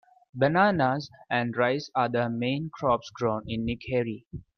Bananas and rice are the main crops grown in Nickerie.